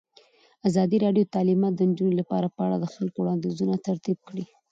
ازادي راډیو د تعلیمات د نجونو لپاره په اړه د خلکو وړاندیزونه ترتیب کړي.